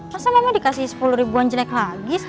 masa mama dikasih sepuluh ribuan jelek lagi